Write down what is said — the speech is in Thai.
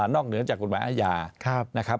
นอกเหนือจากกฎหมายอาญา